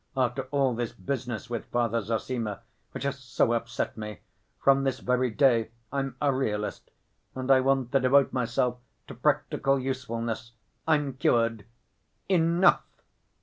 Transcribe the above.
After all this business with Father Zossima, which has so upset me, from this very day I'm a realist and I want to devote myself to practical usefulness. I'm cured. 'Enough!